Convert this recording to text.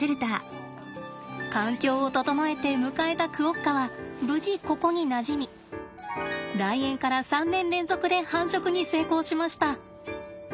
環境を整えて迎えたクオッカは無事ここになじみ来園から３年連続で繁殖に成功しました！